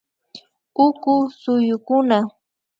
Uku suyukuna